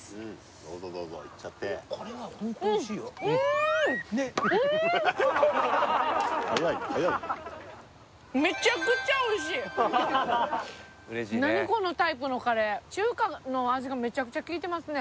どうぞどうぞいっちゃって早いね早いね何このタイプのカレー中華の味がめちゃくちゃきいてますね